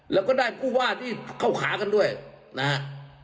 แล้วก็ได้ผู้ว่าที่เข้าขากันด้วยนะฮะ